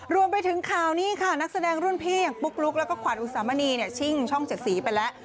รวมไปถึงข่าวนี้ค่ะนักแสดงรุ่นพี่อย่างปุ๊กลุ๊กแล้วก็ขวัญอุสามณีเนี่ยชิ่งช่อง๗สีไปแล้ว